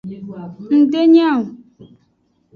Ng de nya o.